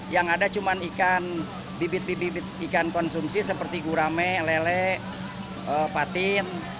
yang ada cuma ikan bibit bibit ikan konsumsi seperti gurame lele patin